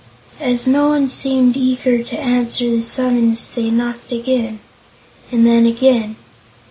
As no one seemed eager to answer the summons they knocked again; and then again.